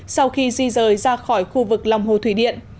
sau khi di rời ra khỏi khu vực lòng hồ thủy điện